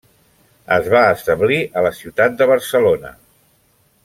Es va establir a la ciutat de Barcelona.